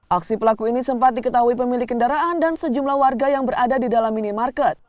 aksi pelaku ini sempat diketahui pemilik kendaraan dan sejumlah warga yang berada di dalam minimarket